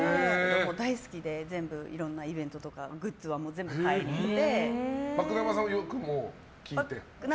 大好きで、全部いろんなイベントとかグッズとか全部買いに行って。